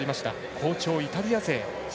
好調なイタリア勢。